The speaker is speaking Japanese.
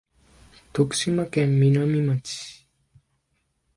徳島県美波町